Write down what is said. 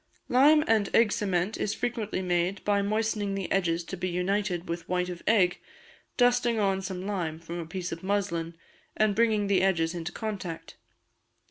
Lime and Egg Cement is frequently made by moistening the edges to be united with white of egg, dusting on some lime from a piece of muslin, and bringing the edges into contact.